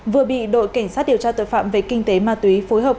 vừa bị đội cảnh sát điều tra tội phạm về kinh tế ma túy phối hợp